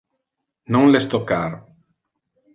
Non les toccar.